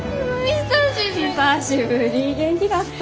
久しぶり元気だった？